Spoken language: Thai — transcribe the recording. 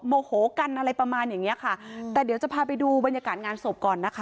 โมโหกันอะไรประมาณอย่างเงี้ยค่ะแต่เดี๋ยวจะพาไปดูบรรยากาศงานศพก่อนนะคะ